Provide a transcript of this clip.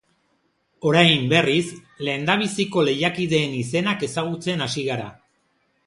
Orain, berriz, lehendabiziko lehiakideen izenak ezagutzen hasi gara.